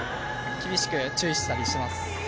厳しく注意したりします。